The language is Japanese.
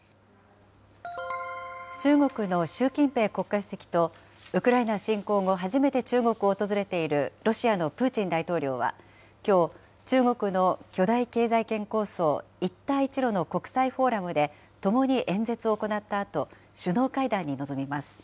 中国の習近平国家主席とウクライナ侵攻後、初めて中国を訪れているロシアのプーチン大統領は、きょう、中国の巨大経済圏構想、一帯一路の国際フォーラムで、ともに演説を行ったあと、首脳会談に臨みます。